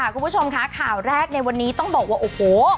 คุณผู้ชมค่ะข่าวแรกในวันนี้ต้องบอกว่าโอ้โห